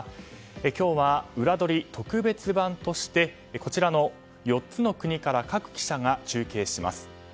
今日はウラどり特別版としてこちらの４つの国から各記者が中継します。